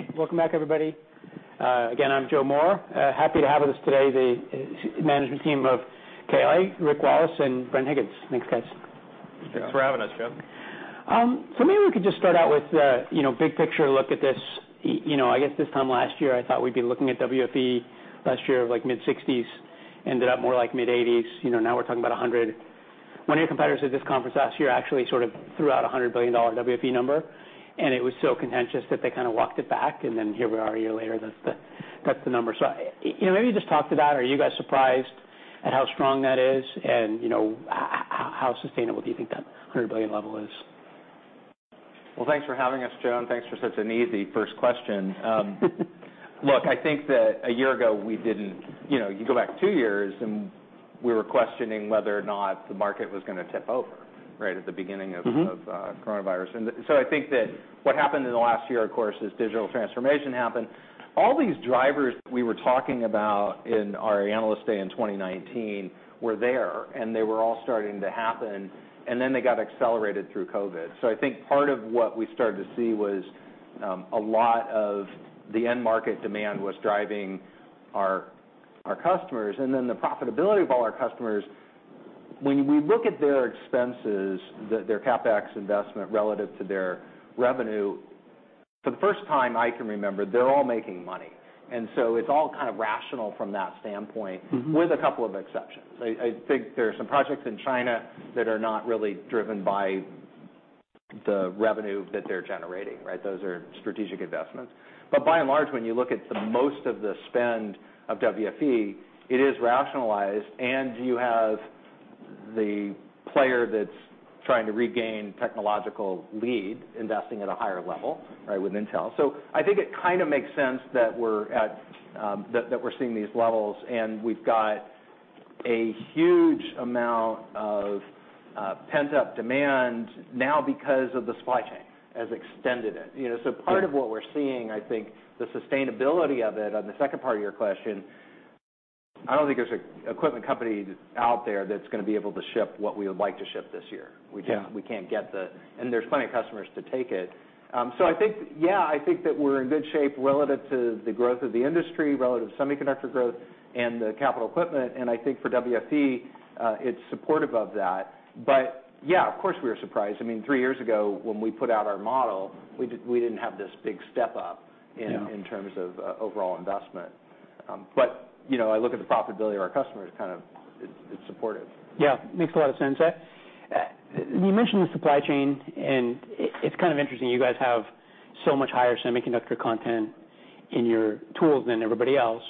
Hi. Welcome back everybody. Again, I'm Joe Moore. Happy to have with us today the management team of KLA, Rick Wallace and Bren Higgins. Thanks, guys. Thanks for having us, Joe. Maybe we could just start out with you know, big picture look at this. You know, I guess this time last year I thought we'd be looking at WFE last year of like mid-$60s billion, ended up more like mid-$80s billion, you know, now we're talking about $100 billion. One of your competitors at this conference last year actually sort of threw out a $100 billion WFE number, and it was so contentious that they kind of walked it back, and then here we are a year later, that's the number. You know, maybe just talk to that. Are you guys surprised at how strong that is and, you know, how sustainable do you think that $100 billion level is? Well, thanks for having us, Joe, and thanks for such an easy first question. Look, I think that a year ago we didn't. You know, you go back two years and we were questioning whether or not the market was gonna tip over, right? At the beginning of Mm-hmm... of coronavirus. I think that what happened in the last year, of course, is digital transformation happened. All these drivers we were talking about in our Analyst Day in 2019 were there, and they were all starting to happen, and then they got accelerated through COVID. I think part of what we started to see was a lot of the end market demand was driving our customers, and then the profitability of all our customers, when we look at their expenses, their CapEx investment relative to their revenue, for the first time I can remember, they're all making money. It's all kind of rational from that standpoint. Mm-hmm With a couple of exceptions. I think there are some projects in China that are not really driven by the revenue that they're generating, right? Those are strategic investments. By and large, when you look at most of the spend of WFE, it is rationalized, and you have the player that's trying to regain technological lead investing at a higher level, right, with Intel. I think it kind of makes sense that we're seeing these levels and we've got a huge amount of pent-up demand now because the supply chain has extended it. You know, part of what we're seeing, I think the sustainability of it, on the second part of your question, I don't think there's an equipment company out there that's gonna be able to ship what we would like to ship this year. Yeah. We can't get the. There's plenty of customers to take it. I think, yeah, I think that we're in good shape relative to the growth of the industry, relative semiconductor growth, and the capital equipment, and I think for WFE, it's supportive of that. Yeah, of course, we were surprised. I mean, three years ago when we put out our model, we didn't have this big step up. Yeah... in terms of overall investment. You know, I look at the profitability of our customers kind of, it's supportive. Yeah. Makes a lot of sense. You mentioned the supply chain, and it's kind of interesting you guys have so much higher semiconductor content in your tools than everybody else,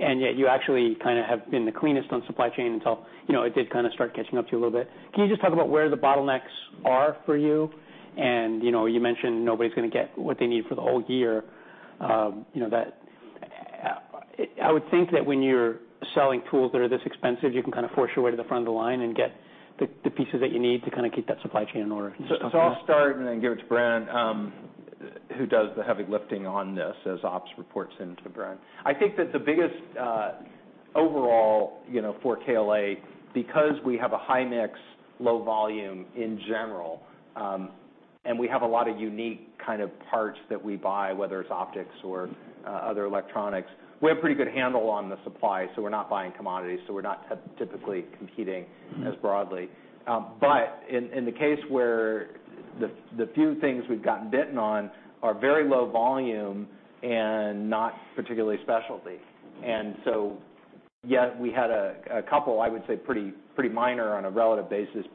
and yet you actually kind of have been the cleanest on supply chain until, you know, it did kind of start catching up to you a little bit. Can you just talk about where the bottlenecks are for you? You know, you mentioned nobody's gonna get what they need for the whole year. You know, that, I would think that when you're selling tools that are this expensive, you can kind of force your way to the front of the line and get the pieces that you need to kind of keep that supply chain in order. Can you just talk about that? I'll start and then give it to Bren, who does the heavy lifting on this as ops reports into Bren. I think that the biggest overall for KLA, because we have a high mix, low volume in general, and we have a lot of unique kind of parts that we buy, whether it's optics or other electronics, we have pretty good handle on the supply, so we're not buying commodities, so we're not typically competing as broadly. But in the case where the few things we've gotten bitten on are very low volume and not particularly specialty. Yeah, we had a couple, I would say pretty minor on a relative basis.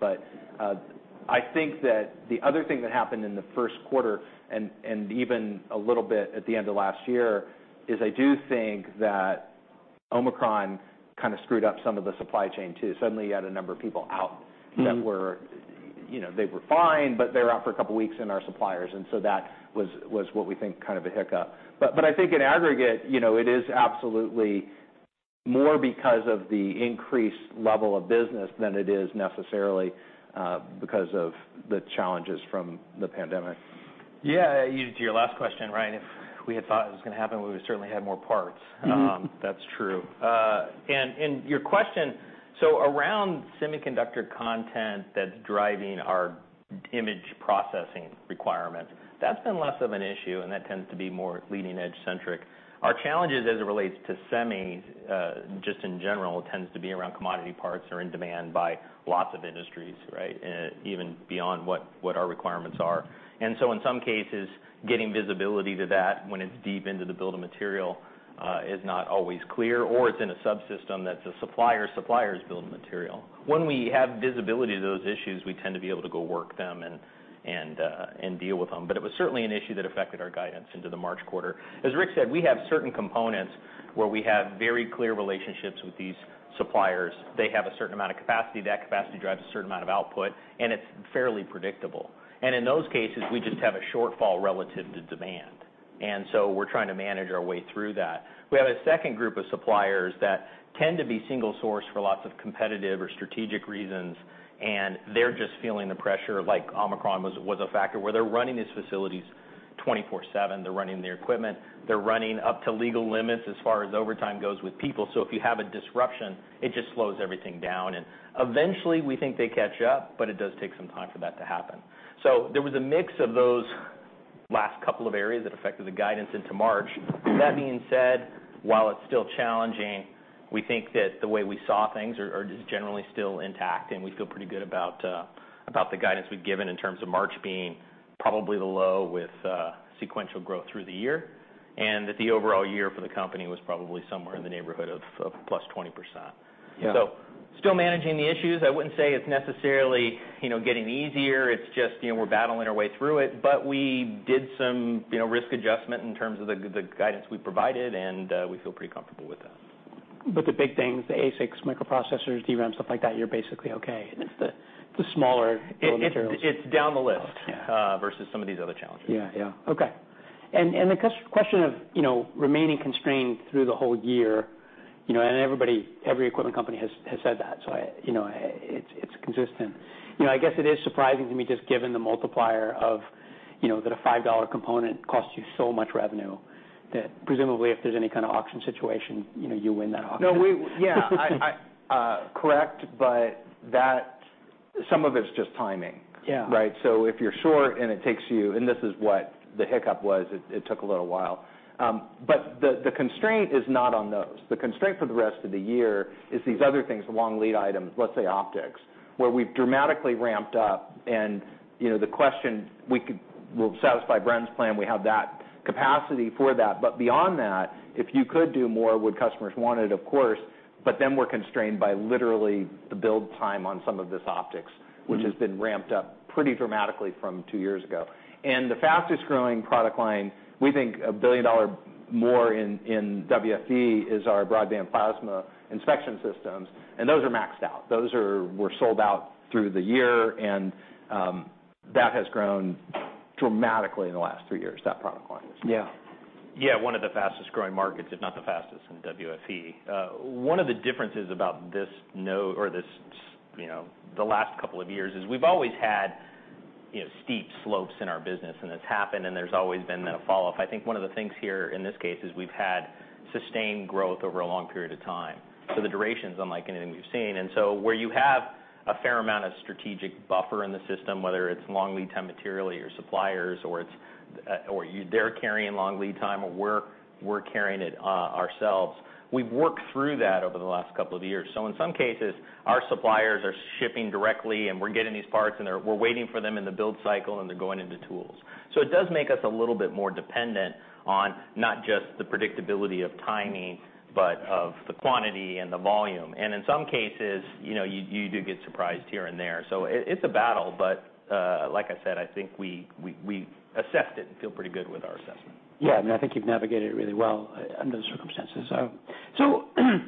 I think that the other thing that happened in the first quarter and even a little bit at the end of last year is I do think that Omicron kind of screwed up some of the supply chain, too. Suddenly you had a number of people out- Mm-hmm that were, you know, they were fine, but they were out for a couple of weeks and our suppliers, and so that was what we think kind of a hiccup. I think in aggregate, you know, it is absolutely more because of the increased level of business than it is necessarily because of the challenges from the pandemic. Yeah. To your last question, right? If we had thought it was gonna happen, we would certainly had more parts. That's true. Your question, so around semiconductor content that's driving our image processing requirement, that's been less of an issue, and that tends to be more leading edge centric. Our challenges as it relates to semi, just in general, tends to be around commodity parts are in demand by lots of industries, right? Even beyond what our requirements are. In some cases, getting visibility to that when it's deep into the bill of material is not always clear or it's in a subsystem that's a supplier's supplier build of material. When we have visibility to those issues, we tend to be able to go work them and deal with them. It was certainly an issue that affected our guidance into the March quarter. As Rick said, we have certain components where we have very clear relationships with these suppliers. They have a certain amount of capacity, that capacity drives a certain amount of output, and it's fairly predictable. In those cases, we just have a shortfall relative to demand. We're trying to manage our way through that. We have a second group of suppliers that tend to be single source for lots of competitive or strategic reasons, and they're just feeling the pressure, like Omicron was a factor, where they're running these facilities 24/7. They're running their equipment. They're running up to legal limits as far as overtime goes with people. If you have a disruption, it just slows everything down. Eventually, we think they catch up, but it does take some time for that to happen. There was a mix of those last couple of areas that affected the guidance into March. That being said, while it's still challenging, we think that the way we saw things are just generally still intact, and we feel pretty good about about the guidance we've given in terms of March being probably the low with sequential growth through the year, and that the overall year for the company was probably somewhere in the neighborhood of +20%. Yeah. Still managing the issues. I wouldn't say it's necessarily, you know, getting easier. It's just, you know, we're battling our way through it, but we did some, you know, risk adjustment in terms of the guidance we provided, and we feel pretty comfortable with that. The big things, the ASICs, microprocessors, DRAM, stuff like that, you're basically okay. It's the smaller raw materials. It's down the list. Okay. versus some of these other challenges. Yeah, yeah. Okay. The question of, you know, remaining constrained through the whole year, you know, and every equipment company has said that, so, you know, it's consistent. You know, I guess it is surprising to me, just given the multiplier of, you know, that a $5 component costs you so much revenue, that presumably, if there's any kind of auction situation, you know, you win that auction. No, yeah. I correct, but that some of it's just timing. Yeah. Right? If you're short and it takes you. This is what the hiccup was. It took a little while. The constraint is not on those. The constraint for the rest of the year is these other things, the long lead items, let's say optics, where we've dramatically ramped up. You know, we'll satisfy Bren's plan. We have that capacity for that, but beyond that, if you could do more, would customers want it? Of course. We're constrained by literally the build time on some of this optics. Mm-hmm. which has been ramped up pretty dramatically from two years ago. The fastest growing product line, we think $1 billion more in WFE, is our broadband plasma inspection systems, and those are maxed out. Those were sold out through the year, and that has grown dramatically in the last three years, that product line. Yeah. Yeah, one of the fastest-growing markets, if not the fastest, in WFE. One of the differences about this, you know, the last couple of years is we've always had, you know, steep slopes in our business, and it's happened, and there's always been then a follow-up. I think one of the things here in this case is we've had sustained growth over a long period of time. The duration's unlike anything we've seen. Where you have a fair amount of strategic buffer in the system, whether it's long lead time material or your suppliers, or it's or they're carrying long lead time or we're carrying it ourselves, we've worked through that over the last couple of years. In some cases, our suppliers are shipping directly and we're getting these parts and we're waiting for them in the build cycle, and they're going into tools. It does make us a little bit more dependent on not just the predictability of timing, but of the quantity and the volume. In some cases, you know, you do get surprised here and there. It's a battle, but like I said, I think we assessed it and feel pretty good with our assessment. Yeah. I mean, I think you've navigated it really well under the circumstances.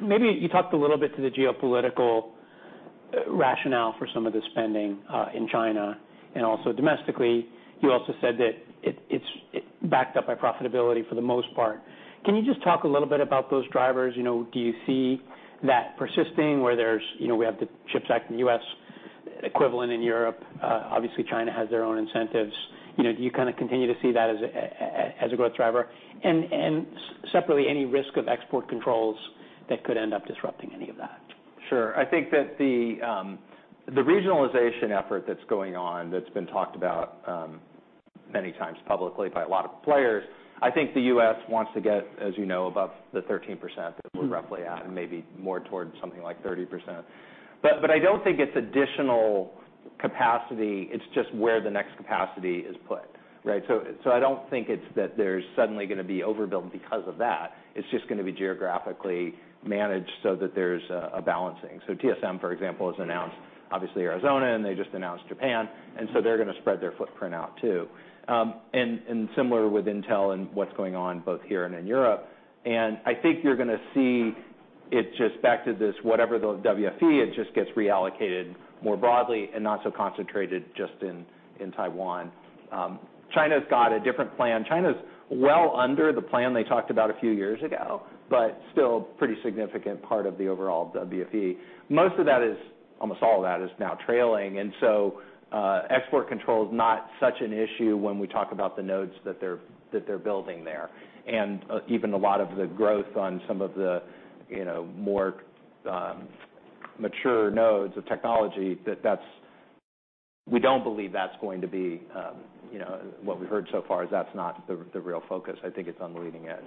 Maybe you talked a little bit to the geopolitical rationale for some of the spending in China and also domestically. You also said that it's backed up by profitability for the most part. Can you just talk a little bit about those drivers? You know, do you see that persisting, where there's, you know, we have the CHIPS Act in the U.S., equivalent in Europe, obviously China has their own incentives. You know, do you kind of continue to see that as a growth driver? And separately, any risk of export controls that could end up disrupting any of that? Sure. I think that the regionalization effort that's going on, that's been talked about many times publicly by a lot of players, I think the U.S. wants to get, as you know, above the 13% that we're roughly at, and maybe more towards something like 30%. I don't think it's additional capacity, it's just where the next capacity is put, right? I don't think it's that there's suddenly gonna be overbuild because of that. It's just gonna be geographically managed so that there's a balancing. TSMC, for example, has announced, obviously, Arizona, and they just announced Japan, and so they're gonna spread their footprint out too. Similar with Intel and what's going on both here and in Europe. I think you're gonna see it just back to this, whatever the WFE, it just gets reallocated more broadly and not so concentrated just in Taiwan. China's got a different plan. China's well under the plan they talked about a few years ago, but still pretty significant part of the overall WFE. Most of that is, almost all of that is now trailing. Export control is not such an issue when we talk about the nodes that they're building there. Even a lot of the growth on some of the, you know, more mature nodes of technology, that's. We don't believe that's going to be, you know, what we've heard so far is that's not the real focus. I think it's on the leading edge.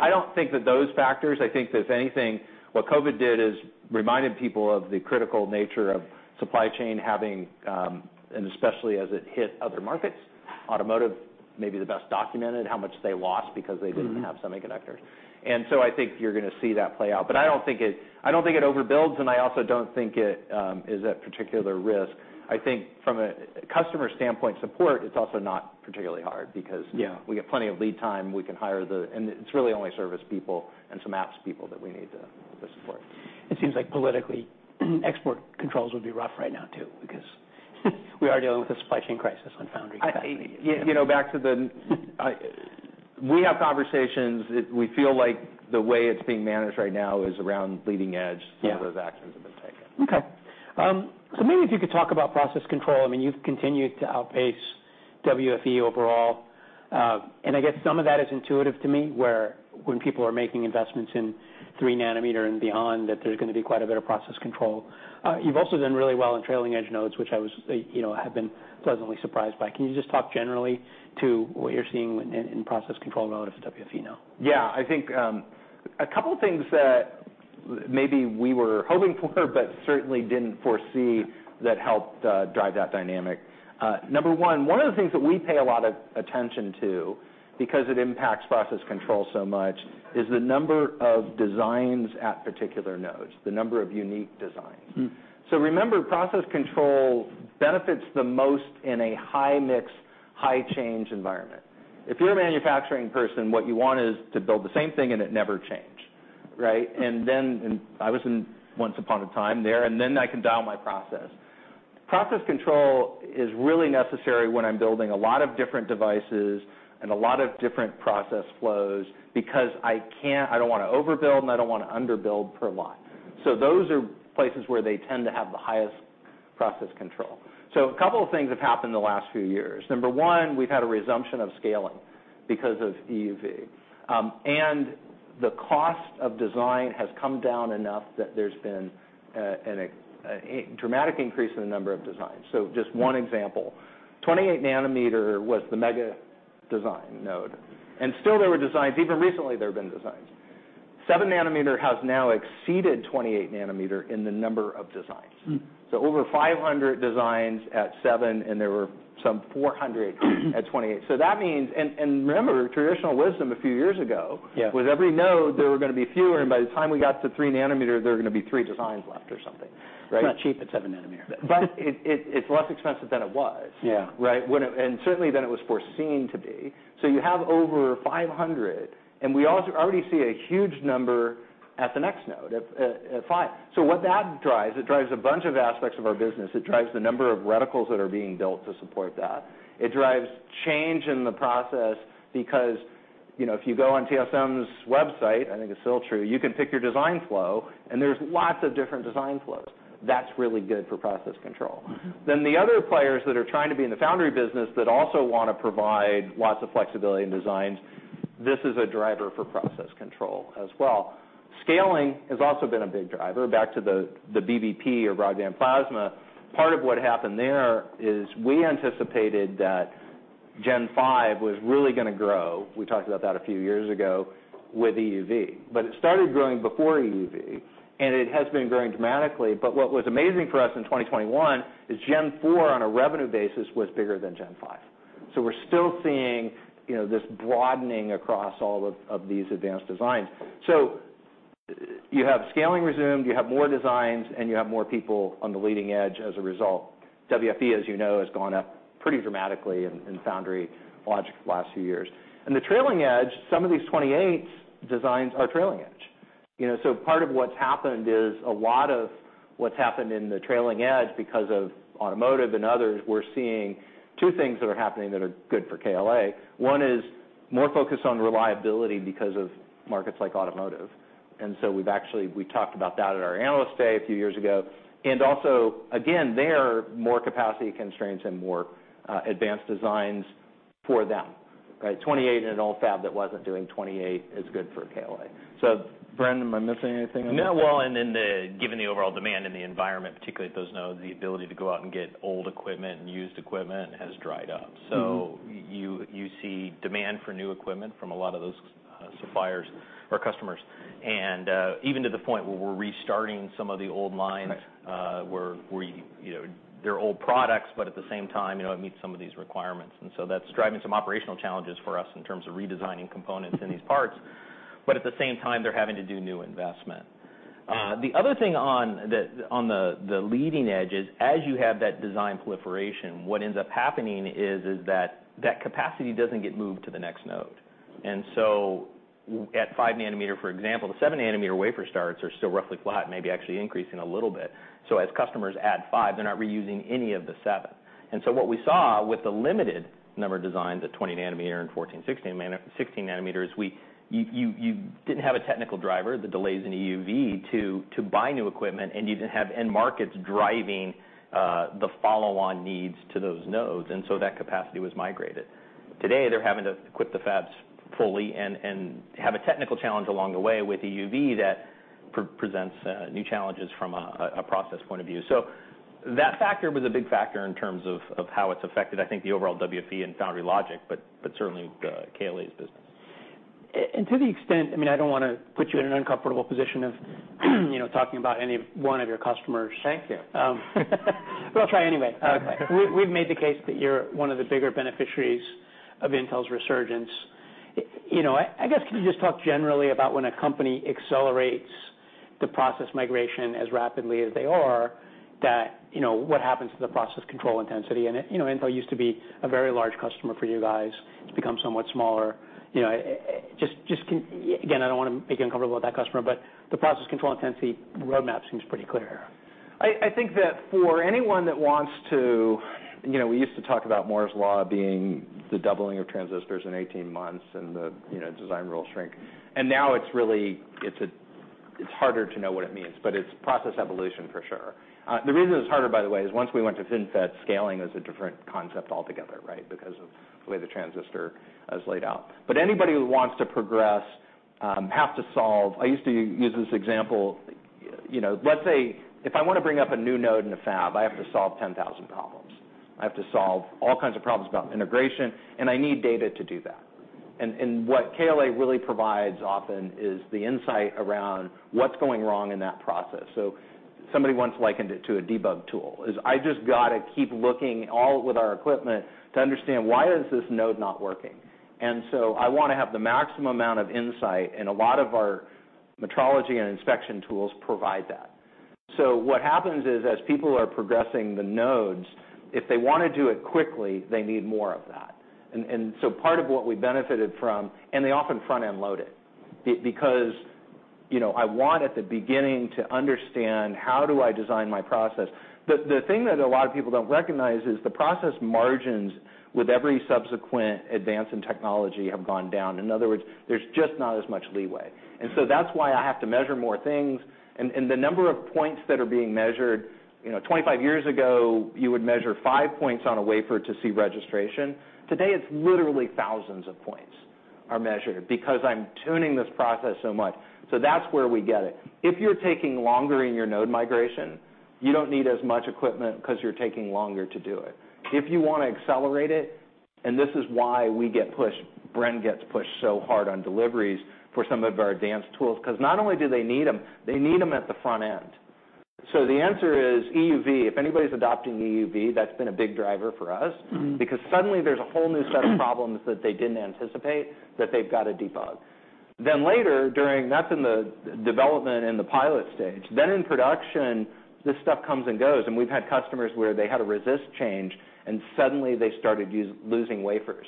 I don't think that those factors. I think that if anything, what COVID did is reminded people of the critical nature of supply chain having, and especially as it hit other markets, automotive may be the best documented, how much they lost because they didn't have semiconductors. I think you're gonna see that play out. I don't think it overbuilds, and I also don't think it is at particular risk. I think from a customer standpoint support, it's also not particularly hard because Yeah. We have plenty of lead time. We can hire and it's really only service people and some apps people that we need to support. It seems like politically, export controls would be rough right now too, because we are dealing with a supply chain crisis on foundry capacity. You know, we have conversations. We feel like the way it's being managed right now is around leading edge. Yeah. Some of those actions have been taken. Okay. Maybe if you could talk about process control. I mean, you've continued to outpace WFE overall. I guess some of that is intuitive to me, where when people are making investments in 3 nm and beyond, that there's gonna be quite a bit of process control. You've also done really well in trailing edge nodes, which, you know, I have been pleasantly surprised by. Can you just talk generally to what you're seeing in process control nodes with WFE now? Yeah. I think, a couple things that maybe we were hoping for but certainly didn't foresee that helped, drive that dynamic. Number one of the things that we pay a lot of attention to because it impacts process control so much, is the number of designs at particular nodes, the number of unique designs. Mm. Remember, process control benefits the most in a high mix, high change environment. If you're a manufacturing person, what you want is to build the same thing and it never change, right? I was in once upon a time there, and then I can dial my process. Process control is really necessary when I'm building a lot of different devices and a lot of different process flows because I can't, I don't wanna overbuild and I don't wanna under-build per lot. Those are places where they tend to have the highest process control. A couple of things have happened in the last few years. Number one, we've had a resumption of scaling because of EUV. The cost of design has come down enough that there's been a dramatic increase in the number of designs. Just one example. 28 nm was the mega design node. Still there were designs, even recently there have been designs. 7 nm has now exceeded 28 nm in the number of designs. Mm. Over 500 designs at 7 nm, and there were some 400 at 28 nm. That means remember traditional wisdom a few years ago. Yeah... with every node there were gonna be fewer, and by the time we got to 3 nm, there were gonna be 3 designs left or something, right? It's not cheap at 7 nm. It's less expensive than it was. Yeah. Certainly more than it was foreseen to be. You have over 500, and we also already see a huge number at the next node, at 5 nm. What that drives, it drives a bunch of aspects of our business. It drives the number of reticles that are being built to support that. It drives change in the process because, you know, if you go on TSMC's website, I think it's still true, you can pick your design flow, and there's lots of different design flows. That's really good for process control. Mm-hmm. The other players that are trying to be in the foundry business that also wanna provide lots of flexibility in designs, this is a driver for process control as well. Scaling has also been a big driver. Back to the BBP or broadband plasma, part of what happened there is we anticipated that Gen 5 was really gonna grow, we talked about that a few years ago, with EUV. It started growing before EUV, and it has been growing dramatically. What was amazing for us in 2021 is Gen 4 on a revenue basis was bigger than Gen 5. We're still seeing, you know, this broadening across all of these advanced designs. You have scaling resumed, you have more designs, and you have more people on the leading edge as a result. WFE, as you know, has gone up pretty dramatically in foundry logic the last few years. The trailing edge, some of these 28 nm designs are trailing edge. You know, part of what's happened is a lot of what's happened in the trailing edge because of automotive and others. We're seeing two things that are happening that are good for KLA. One is more focus on reliability because of markets like automotive. We talked about that at our Analyst Day a few years ago. Also again, there are more capacity constraints and more advanced designs for them, right? 28 nm in an old fab that wasn't doing 28 nm is good for KLA. Bren, am I missing anything on that? No. Well, given the overall demand in the environment, particularly at those nodes, the ability to go out and get old equipment and used equipment has dried up. Mm-hmm. You see demand for new equipment from a lot of those suppliers or customers. Even to the point where we're restarting some of the old lines- Right where you know they're old products, but at the same time, you know, it meets some of these requirements. That's driving some operational challenges for us in terms of redesigning components in these parts. At the same time, they're having to do new investment. The other thing on the leading edge is as you have that design proliferation, what ends up happening is that capacity doesn't get moved to the next node. At 5 nm, for example, the 7 nm wafer starts are still roughly flat, maybe actually increasing a little bit. As customers add 5 nm, they're not reusing any of the 7 nm. What we saw with the limited number of designs at 20 nm and 14 nm/16 nm, you didn't have a technical driver, the delays in EUV, to buy new equipment, and you didn't have end markets driving the follow-on needs to those nodes, so that capacity was migrated. Today, they're having to equip the fabs fully and have a technical challenge along the way with EUV that presents new challenges from a process point of view. That factor was a big factor in terms of how it's affected, I think, the overall WFE and foundry logic, but certainly KLA's business. To the extent, I mean, I don't wanna put you in an uncomfortable position of, you know, talking about any one of your customers. Thank you. I'll try anyway. Okay. We've made the case that you're one of the bigger beneficiaries of Intel's resurgence. You know, I guess, can you just talk generally about when a company accelerates the process migration as rapidly as they are that, you know, what happens to the process control intensity? You know, Intel used to be a very large customer for you guys. It's become somewhat smaller. You know, again, I don't wanna make you uncomfortable about that customer, but the process control intensity roadmap seems pretty clear. I think that for anyone that wants to. You know, we used to talk about Moore's Law being the doubling of transistors in 18 months and the you know design rule shrink. Now it's really, it's harder to know what it means, but it's process evolution for sure. The reason it's harder, by the way, is once we went to FinFET, scaling is a different concept altogether, right? Because of the way the transistor is laid out. Anybody who wants to progress have to solve, I used to use this example. You know, let's say, if I wanna bring up a new node in a fab, I have to solve 10,000 problems. I have to solve all kinds of problems about integration, and I need data to do that. What KLA really provides often is the insight around what's going wrong in that process. Somebody once likened it to a debug tool. It's just I gotta keep looking all with our equipment to understand why is this node not working. I wanna have the maximum amount of insight, and a lot of our metrology and inspection tools provide that. What happens is, as people are progressing the nodes, if they wanna do it quickly, they need more of that. Part of what we benefited from. They often front-end load it because, you know, I want at the beginning to understand, how do I design my process? The thing that a lot of people don't recognize is the process margins with every subsequent advance in technology have gone down. In other words, there's just not as much leeway. That's why I have to measure more things. The number of points that are being measured, you know, 25 years ago, you would measure five points on a wafer to see registration. Today, it's literally thousands of points are measured because I'm tuning this process so much. That's where we get it. If you're taking longer in your node migration, you don't need as much equipment because you're taking longer to do it. If you wanna accelerate it, and this is why we get pushed, Bren gets pushed so hard on deliveries for some of our advanced tools, because not only do they need them, they need them at the front end. The answer is EUV. If anybody's adopting EUV, that's been a big driver for us. Mm-hmm. Because suddenly there's a whole new set of problems that they didn't anticipate that they've got to debug. Later, that's in the development and the pilot stage. In production, this stuff comes and goes, and we've had customers where they had a resist change, and suddenly they started losing wafers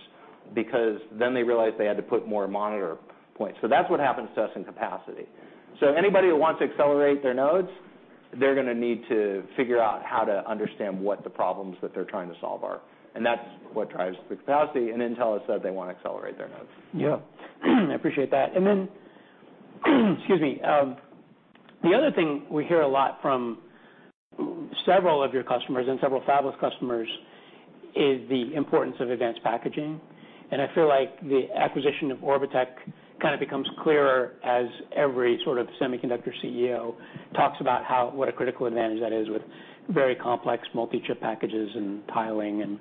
because then they realized they had to put more monitor points. That's what happens to us in capacity. Anybody who wants to accelerate their nodes, they're gonna need to figure out how to understand what the problems that they're trying to solve are. That's what drives the capacity, and Intel has said they wanna accelerate their nodes. Yeah. I appreciate that. Then, excuse me. The other thing we hear a lot from several of your customers and several fabless customers is the importance of advanced packaging. I feel like the acquisition of Orbotech kind of becomes clearer as every sort of semiconductor CEO talks about how what a critical advantage that is with very complex multi-chip packages and tiling and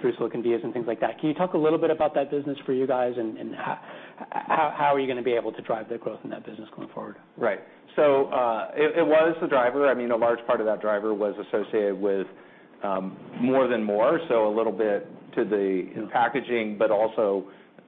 through-silicon vias and things like that. Can you talk a little bit about that business for you guys, and how are you gonna be able to drive the growth in that business going forward? Right. It was the driver. I mean, a large part of that driver was associated with more than Moore, so a little bit to the packaging, but also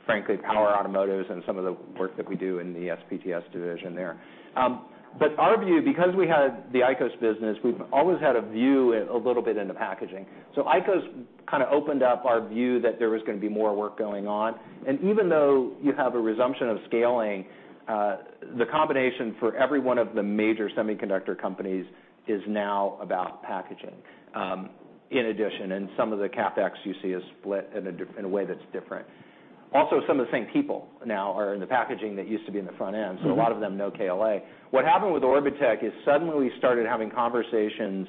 frankly, power, automotives and some of the work that we do in the SPTS division there. Our view, because we had the ICOS business, we've always had a view a little bit in the packaging. ICOS kind of opened up our view that there was gonna be more work going on. Even though you have a resumption of scaling, the combination for every one of the major semiconductor companies is now about packaging, in addition, and some of the CapEx you see is split in a way that's different. Also, some of the same people now are in the packaging that used to be in the front end. Mm-hmm. A lot of them know KLA. What happened with Orbotech is suddenly we started having conversations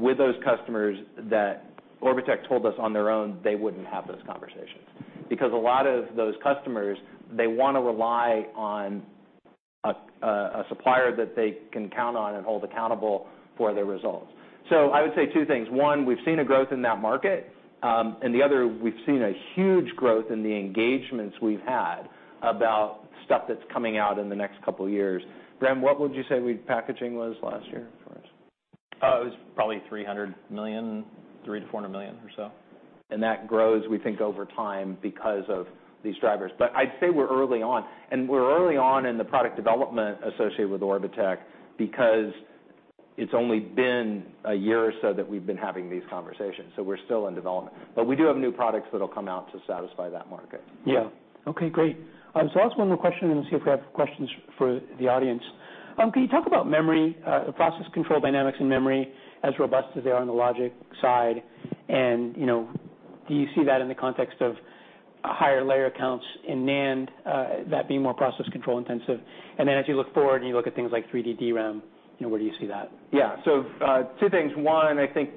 with those customers that Orbotech told us on their own they wouldn't have those conversations. Because a lot of those customers, they wanna rely on a supplier that they can count on and hold accountable for their results. I would say two things. One, we've seen a growth in that market, and the other, we've seen a huge growth in the engagements we've had about stuff that's coming out in the next couple of years. Bren, what would you say packaging was last year for us? It was probably $300 million, $300 million-$400 million or so. That grows, we think, over time because of these drivers. I'd say we're early on, and we're early on in the product development associated with Orbotech because it's only been a year or so that we've been having these conversations, so we're still in development. We do have new products that'll come out to satisfy that market. Yeah. Okay, great. So I'll ask one more question and see if we have questions for the audience. Can you talk about memory, process control dynamics in memory as robust as they are on the logic side? You know, do you see that in the context of higher layer counts in NAND, that being more process control intensive? As you look forward, and you look at things like 3D DRAM, you know, where do you see that? Yeah. Two things. One, I think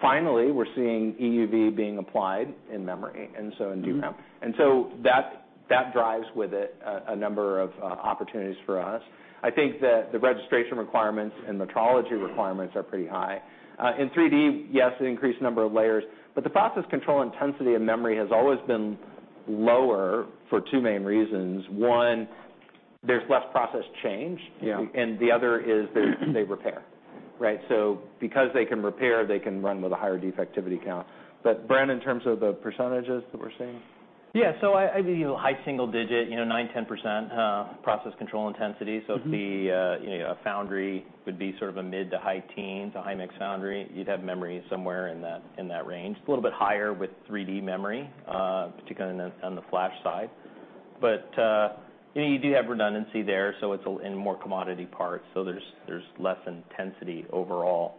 finally, we're seeing EUV being applied in memory, and so in DRAM. Mm-hmm. That drives with it a number of opportunities for us. I think that the registration requirements and metrology requirements are pretty high. In 3D, yes, an increased number of layers, but the process control intensity of memory has always been lower for two main reasons. One, there's less process change. Yeah. The other is they repair, right? Because they can repair, they can run with a higher defectivity count. Bren, in terms of the percentages that we're seeing? I believe high single digit, you know, 9%-10% process control intensity. Mm-hmm. If you know, a foundry would be sort of a mid- to high teens, a high-mix foundry, you'd have memory somewhere in that range. A little bit higher with 3D memory, particularly on the flash side. You know, you do have redundancy there, so it's in more commodity parts, so there's less intensity overall.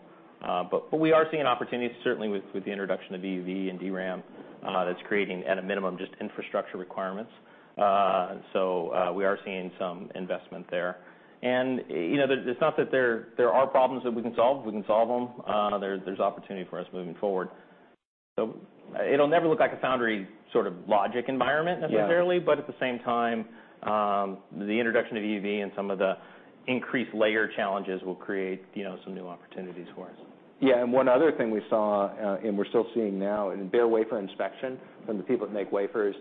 We are seeing opportunities certainly with the introduction of EUV and DRAM. That's creating, at a minimum, just infrastructure requirements. We are seeing some investment there. You know, it's not that there are problems that we can solve. We can solve them. There's opportunity for us moving forward. It'll never look like a foundry sort of logic environment necessarily. Yeah. At the same time, the introduction of EUV and some of the increased layer challenges will create, you know, some new opportunities for us. One other thing we saw, and we're still seeing now in bare wafer inspection from the people that make wafers,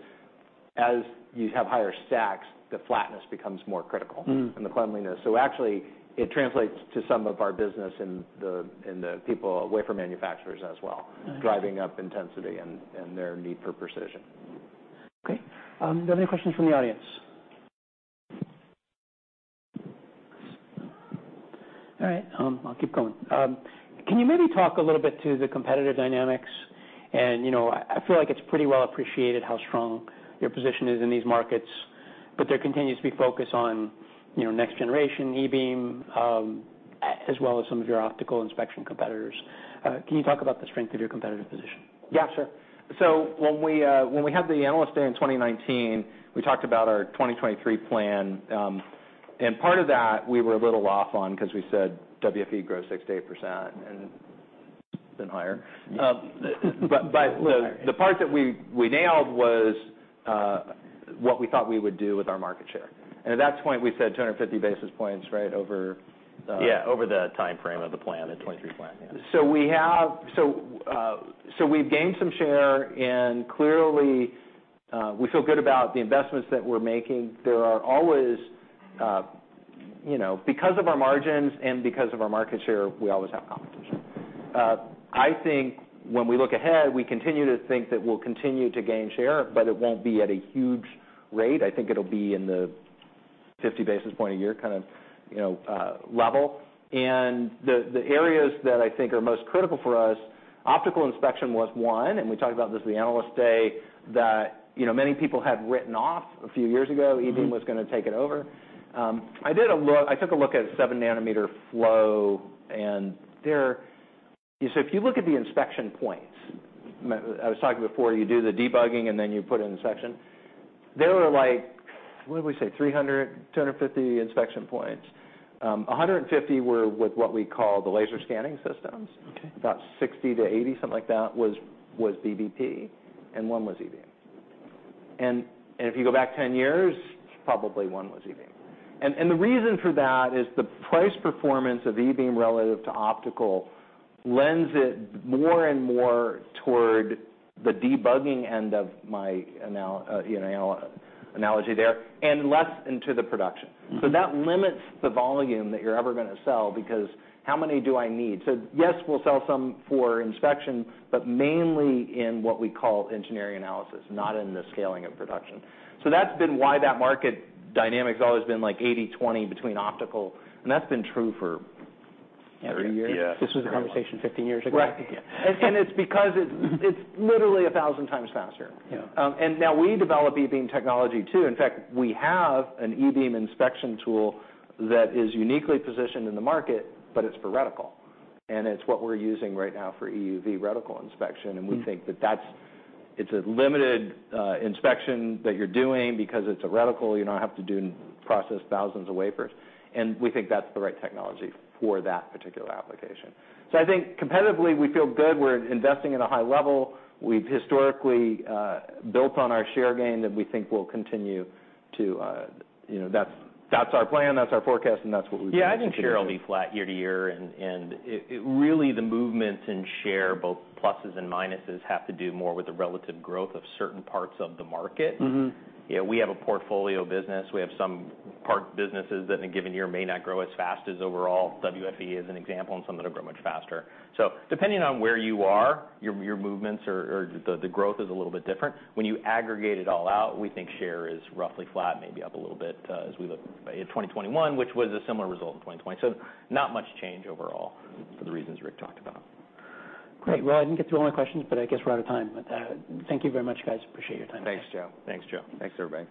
as you have higher stacks, the flatness becomes more critical- Mm-hmm and the cleanliness. Actually, it translates to some of our business in the bare wafer manufacturers as well. Okay. Driving up intensity and their need for precision. Okay. Are there any questions from the audience? All right, I'll keep going. Can you maybe talk a little bit to the competitive dynamics? You know, I feel like it's pretty well appreciated how strong your position is in these markets, but there continues to be focus on, you know, next generation e-beam, as well as some of your optical inspection competitors. Can you talk about the strength of your competitive position? Yeah, sure. When we had the Analyst Day in 2019, we talked about our 2023 plan, and part of that we were a little off on 'cause we said WFE grow 6%-8%, and it's been higher. But the part that we nailed was what we thought we would do with our market share. At that point, we said 250 basis points, right, over, Yeah, over the timeframe of the plan, the 2023 plan, yeah. We've gained some share, and clearly, we feel good about the investments that we're making. There are always, you know, because of our margins and because of our market share, we always have competition. I think when we look ahead, we continue to think that we'll continue to gain share, but it won't be at a huge rate. I think it'll be in the 50 basis points a year kind of, you know, level. The areas that I think are most critical for us, optical inspection was one, and we talked about this at the Analyst Day, that, you know, many people had written off a few years ago. Mm-hmm. E-beam was gonna take it over. I took a look at 7 nm flow, and there, if you look at the inspection points, I was talking before, you do the debugging and then you put it in the section. There were like, what did we say? 250 inspection points. 150 were with what we call the laser scanning systems. Okay. About 60%-80%, something like that was BBP, and 1% was e-beam. If you go back 10 years, probably 1% was e-beam. The reason for that is the price performance of e-beam relative to optical lends it more and more toward the debugging end of my analogy there, and less into the production. Mm-hmm. That limits the volume that you're ever gonna sell because how many do I need? Yes, we'll sell some for inspection, but mainly in what we call engineering analysis, not in the scaling of production. That's been why that market dynamic's always been like 80/20 between optical, and that's been true for- Every year. Yeah. This was a conversation 15 years ago. Right. It's because it's literally 1000x faster. Yeah. Now we develop e-beam technology too. In fact, we have an e-beam inspection tool that is uniquely positioned in the market, but it's for reticle, and it's what we're using right now for EUV reticle inspection. Mm-hmm. We think that that's a limited inspection that you're doing because it's a reticle. You don't have to do and process thousands of wafers, and we think that's the right technology for that particular application. I think competitively we feel good. We're investing at a high level. We've historically built on our share gain that we think will continue to, you know. That's our plan, that's our forecast, and that's what we think. Yeah, I think share will be flat year-to-year. Really, the movements in share, both pluses and minuses, have to do more with the relative growth of certain parts of the market. Mm-hmm. You know, we have a portfolio business. We have some part businesses that in a given year may not grow as fast as overall. WFE is an example, and some that have grown much faster. Depending on where you are, your movements or the growth is a little bit different. When you aggregate it all out, we think share is roughly flat, maybe up a little bit, as we look at 2021, which was a similar result in 2020. Not much change overall for the reasons Rick talked about. Great. Well, I didn't get to all my questions, but I guess we're out of time. Thank you very much, guys. Appreciate your time. Thanks, Joe. Thanks, Joe. Thanks, everybody.